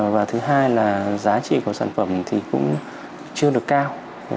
và thứ hai là giá trị của sản phẩm thì cũng chưa được cao